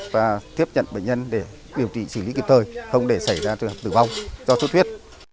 và tiếp nhận bệnh nhân để điều trị xử lý kịp thời không để xảy ra tử vong do suốt huyết